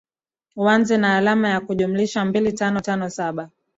uanze na alama ya kujumlisha mbili tano tano saba